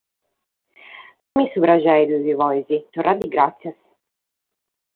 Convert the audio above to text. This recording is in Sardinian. Faghe·mi su praghere, tue chi podes, torra·li gràtzias.